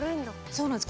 そうなんです